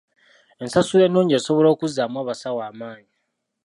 Ensasula ennungi esobola okuzzaamu abasawo amaanyi .